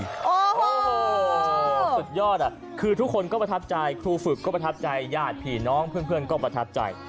โอ้โหสุดยอดคือทุกคนก็ประทับใจครูฝึกก็ประทับใจญาติผีน้องเพื่อนก็ประทับใจ